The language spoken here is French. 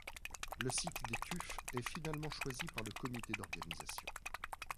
Le site des Tuffes est finalement choisi par le comité d'organisation.